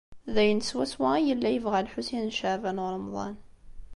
D ayen swaswa ay yella yebɣa Lḥusin n Caɛban u Ṛemḍan.